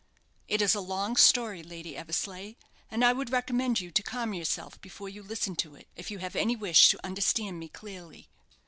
"It is a long story, Lady Eversleigh, and I would recommend you to calm yourself before you listen to it, if you have any wish to understand me clearly."